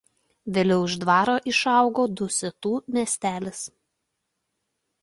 Vėliau iš dvaro išaugo Dusetų miestelis.